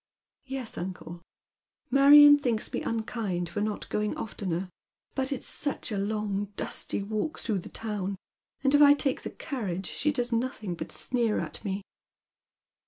" Yes, uncle. Marion thinks me unkind for not going oftener. But it's such a long dusty walk through the town, and if I take tlie carriage she docs nothing but sneer at me."